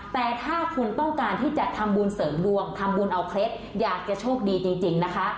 แต่ถ้าคุณต้องการที่จะทำบุญเสริมดวงทำบุญเอาเคล็ดอยากจะโชคดีจริงนะคะ